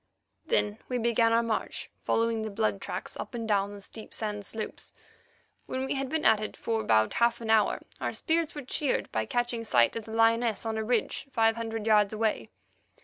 Then we began our march, following the blood tracks up and down the steep sand slopes. When we had been at it for about half an hour our spirits were cheered by catching sight of the lioness on a ridge five hundred yards away.